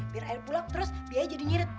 biar ayo pulang terus biayanya jadi nyirit